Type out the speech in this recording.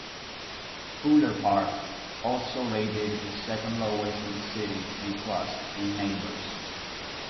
Fuller Park also rated the second-lowest in the city in trust in neighbors.